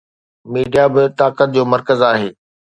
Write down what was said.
Media به طاقت جو مرڪز آهي.